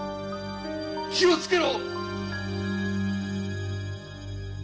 気をつけろ！